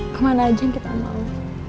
ke mana aja yang kita mau